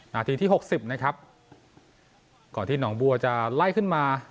นาทีที่หกสิบนะครับก่อนที่หนองบัวจะไล่ขึ้นมา